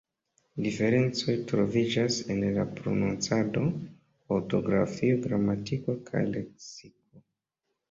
Diferencoj troviĝas en la prononcado, ortografio, gramatiko kaj leksiko.